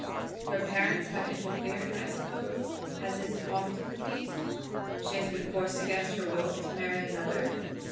"Her parents have interfered, I suppose, as is often the case? She has been forced against her will to marry another?"